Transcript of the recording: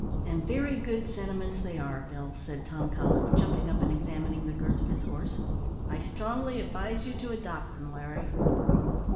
"And very good sentiments they are, Bill," said Tom Collins, jumping up and examining the girth of his horse; "I strongly advise you to adopt them, Larry."